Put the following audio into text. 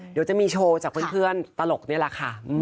เดี๋ยวจะมีโชว์จากเพื่อนตลกนี่แหละค่ะ